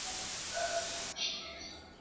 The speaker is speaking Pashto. وروسته نارینه د ښځي